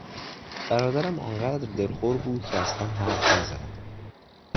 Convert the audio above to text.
برادرم آن قدر دلخور بود که اصلا حرف نزد.